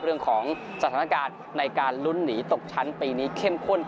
เรื่องของสถานการณ์ในการลุ้นหนีตกชั้นปีนี้เข้มข้น